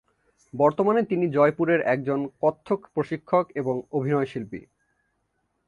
বর্তমানে তিনি জয়পুরের একজন কত্থক প্রশিক্ষক এবং অভিনয়শিল্পী।